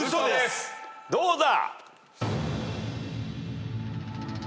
どうだ？